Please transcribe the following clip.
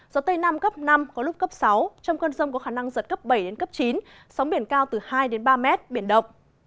do tây nam cấp năm có lúc cấp sáu trong cơn rông có khả năng rật cấp bảy chín sóng biển cao từ hai ba m biển động